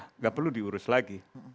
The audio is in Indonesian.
tidak perlu diurus lagi